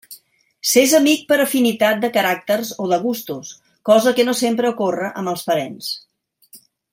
S'és amic per afinitat de caràcters o de gustos, cosa que no sempre ocorre amb els parents.